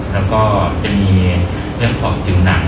และจะมีเรื่องพอบถึงตรงนาง